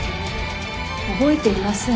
覚えていません。